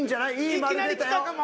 いきなりきたかも！